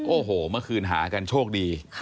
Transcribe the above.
โอ้โหเมื่อคืนหากันโชคดี